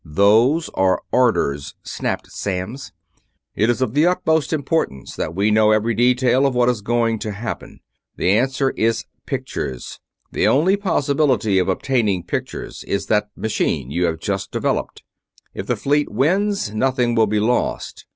"Those are orders!" snapped Samms. "It is of the utmost importance that we know every detail of what is going to happen. The answer is pictures. The only possibility of obtaining pictures is that machine you have just developed. If the fleet wins, nothing will be lost.